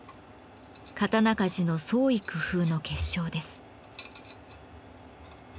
刀鍛冶の創意工夫の結晶です。